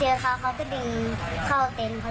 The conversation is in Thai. เจอเขาเขาก็ดึงเข้าเต็นท์เขาเลย